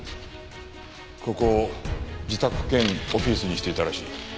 ここを自宅兼オフィスにしていたらしい。